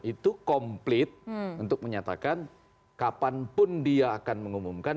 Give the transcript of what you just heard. itu komplit untuk menyatakan kapanpun dia akan mengumumkan